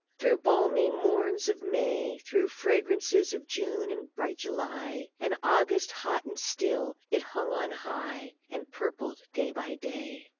Through balmy morns of May; Through fragrances of June and bright July, And August, hot and still, it hung on high And purpled day by day.